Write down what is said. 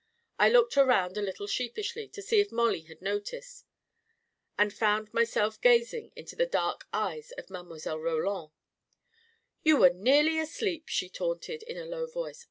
I looked around a little sheepishly to see if Mollie had noticed — and found myself gazing into the dark eyes of Mile. Roland. 44 You were nearly asleep !" she taunted, in a low voice.